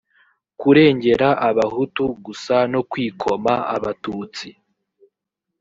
kurengera abahutu gusa no kwikoma abatutsi